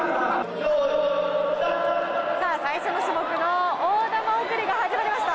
最初の種目の大玉送りが始まりました。